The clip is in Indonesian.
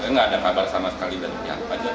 saya nggak ada kabar sama sekali dari pihak pajak